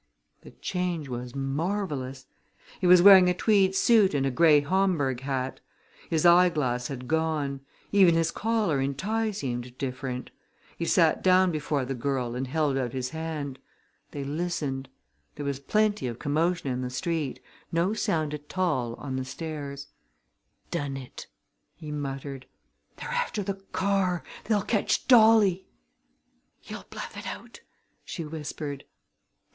The change was marvelous. He was wearing a tweed suit and a gray Homburg hat. His eyeglass had gone. Even his collar and tie seemed different. He sat down before the girl and held out his hand. They listened. There was plenty of commotion in the street no sound at all on the stairs. "We've done it!" he muttered. "They're after the car! They'll catch Dolly!" "He'll bluff it out!" she whispered.